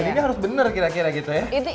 dan ini harus bener kira kira gitu ya